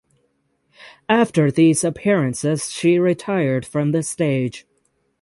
After these appearances she retired from the stage.